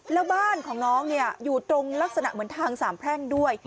แล้วบ้านของน้องอยู่ตรงลักษณะเหมือนทางสามแพร่งด้วย